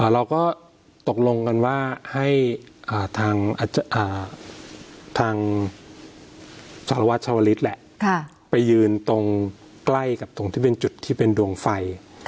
เราก็ตกลงกันว่าให้ทางสารวัตรชาวลิศแหละไปยืนตรงใกล้กับตรงที่เป็นจุดที่เป็นดวงไฟ